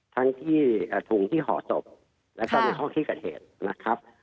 ทั้งที่ถุงที่หอศพและก็ในห้องที่กระเทศนะครับ